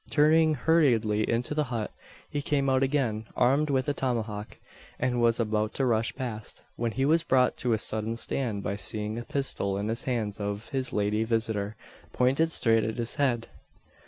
Turning hurriedly into the hut, he came out again, armed with a tomahawk; and was about to rush past, when he was brought to a sudden stand, by seeing a pistol in the hands of his lady visitor, pointed straight at his head!